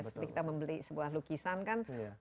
seperti kita membeli sebuah lukisan kan